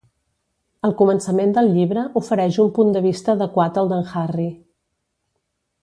El començament del llibre ofereix un punt de vista adequat al d'en Harry.